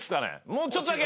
もうちょっとだけ。